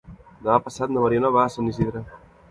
Demà passat na Mariona va a Sant Isidre.